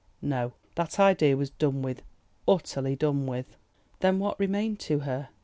No, that idea was done with—utterly done with. Then what remained to her?